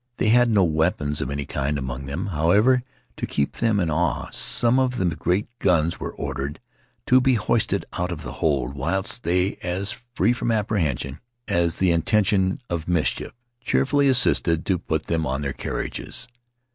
They had no weapons of any kind among them; however, to keep them in awe, some of the great guns were ordered to be hoisted out of the hold whilst they, as free from apprehension as the intention of mischief, cheerfully assisted to put them on their carriages.